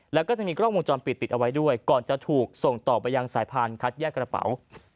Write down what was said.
แล้วก็จะมีกล้องวงจรปิดติดเอาไว้ด้วยก่อนจะถูกส่งต่อไปยังสายพานคัดแยกกระเป๋า